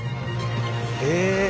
へえ！